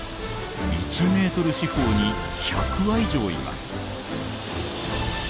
１メートル四方に１００羽以上います。